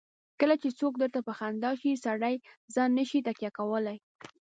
کله چې څوک درته په خندا شي سړی ځان نه شي تکیه کولای.